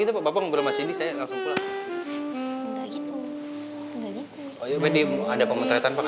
gitu bapak berlemas ini saya langsung pulang enggak gitu enggak gitu ada pemetretan pak